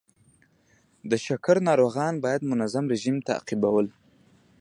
د شکر ناروغان باید منظم رژیم تعقیبول.